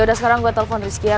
yaudah sekarang gue telpon rizky ya